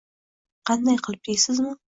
«Qanday qilib?» deysizmi?